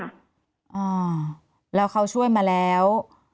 อ่าแล้วเขาช่วยมาแล้ว